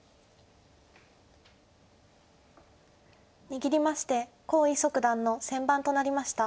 握りまして黄翊祖九段の先番となりました。